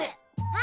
あ！